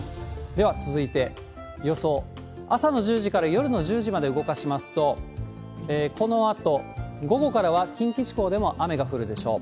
では続いて、予想、朝の１０時から夜の１０時まで動かしますと、このあと午後からは近畿地方でも雨が降るでしょう。